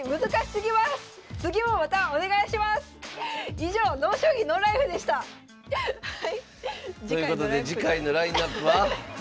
以上「ＮＯ将棋ＮＯＬＩＦＥ」でした！ということで次回のラインナップは？